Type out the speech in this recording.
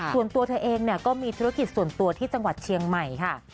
ส่วนตัวเธอเองก็มีธุรกิจส่วนตัวที่จังหวัดเชียงใหม่ค่ะ